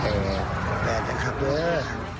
กล้วยปูปูตรงนั้นนะปูอะไรนะ